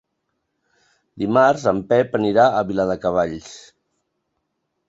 Dimarts en Pep anirà a Viladecavalls.